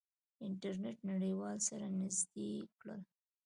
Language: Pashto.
انټرنیټ نړیوال سره نزدې کړل.